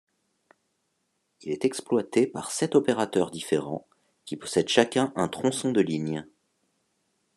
Il est exploité par sept opérateurs différents qui possèdent chacun un tronçon de ligne.